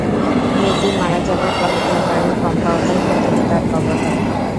মেয়েটি মারা যাবার পর ঐ বাড়ির কম্পাউন্ডের ভেতরই তার কবর হয়।